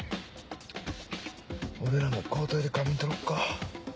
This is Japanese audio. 俺らも交代で仮眠取ろっか。